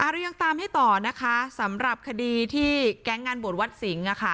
เรายังตามให้ต่อนะคะสำหรับคดีที่แก๊งงานบวชวัดสิงห์